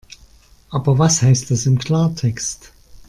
Aber was heißt das im Klartext?